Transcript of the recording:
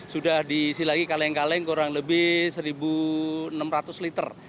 sudah diisi lagi kaleng kaleng kurang lebih satu enam ratus liter